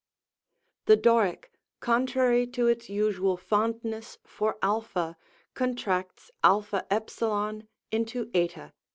The Doric, contrary to its usual fondness for a, contracts as into ^.